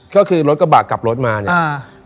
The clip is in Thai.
ก็คือรถกระบะกลับรถมาเนี่ย